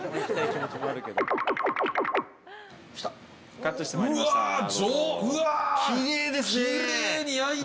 カットしてまいりました。